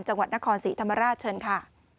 จังหวัดนครศรีธรรมราชเชิญค่ะ